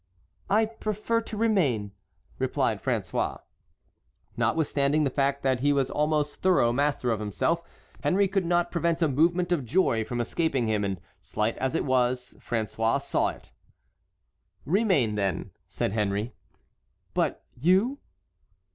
"I prefer to remain," replied François. Notwithstanding the fact that he was almost thorough master of himself, Henry could not prevent a movement of joy from escaping him, and slight as it was, François saw it. "Remain, then," said Henry. "But you?"